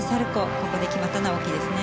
ここで決まったのは大きいですね。